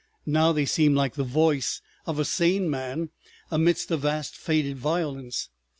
Now they seem like the voice of a sane man amidst a vast faded violence.